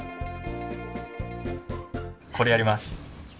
これやります。